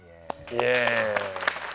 イエイ。